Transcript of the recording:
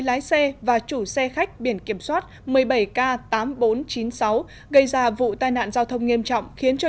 lái xe và chủ xe khách biển kiểm soát một mươi bảy k tám nghìn bốn trăm chín mươi sáu gây ra vụ tai nạn giao thông nghiêm trọng khiến cho